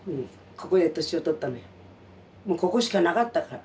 ここしかなかったから。